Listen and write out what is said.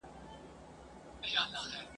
نن مي د جلاد په لاس کي سره تېغونه ولیدل ..